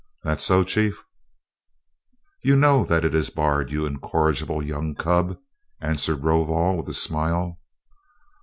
That so, chief?" "You know that it is barred, you incorrigible young cub!" answered Rovol, with a smile.